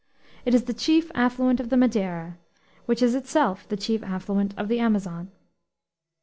It is the chief affluent of the Madeira, which is itself the chief affluent of the Amazon.